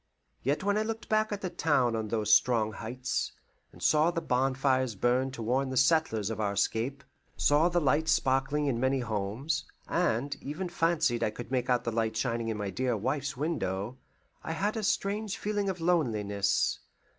Yet when I looked back at the town on those strong heights, and saw the bonfires burn to warn the settlers of our escape, saw the lights sparkling in many homes, and even fancied I could make out the light shining in my dear wife's window, I had a strange feeling of loneliness.